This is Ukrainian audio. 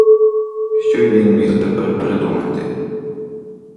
Що він міг тепер придумати?